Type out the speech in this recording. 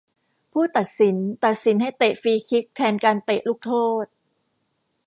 ผู้ตัดสินตัดสินให้เตะฟรีคิกแทนการเตะลูกโทษ